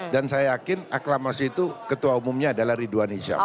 dan saya yakin aklamasi itu ketua umumnya adalah ridwan isyam